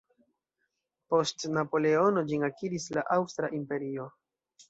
Post Napoleono, ĝin akiris la Aŭstra imperio.